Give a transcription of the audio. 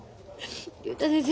竜太先生